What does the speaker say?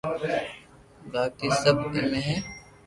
ماقي سب ايمي ھي